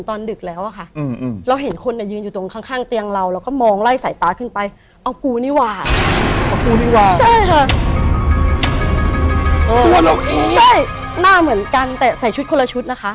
เราเองใช่หน้าเหมือนกันแต่ใส่ชุดคนละชุดนะคะ